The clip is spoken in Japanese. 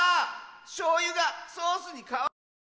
しょうゆがソースにかわってる！